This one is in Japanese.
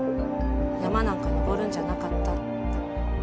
山なんか登るんじゃなかったって。